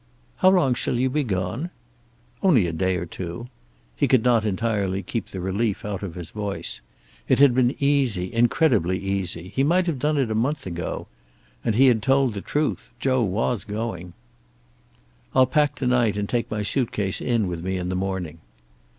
"How long shall you be gone?" "Only a day or two." He could not entirely keep the relief out of his voice. It had been easy, incredibly easy. He might have done it a month ago. And he had told the truth; Joe was going. "I'll pack to night, and take my suitcase in with me in the morning."